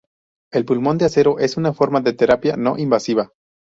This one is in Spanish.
El pulmón de acero es una forma de terapia no invasiva.